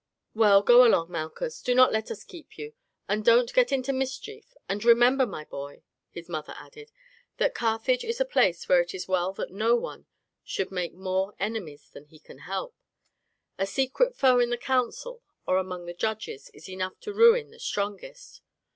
"Well, go along, Malchus, do not let us keep you, and don't get into mischief and remember, my boy," his mother added, "that Carthage is a place where it is well that no one should make more enemies than he can help. A secret foe in the council or among the judges is enough to ruin the strongest.